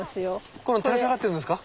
この垂れ下がってるのですか？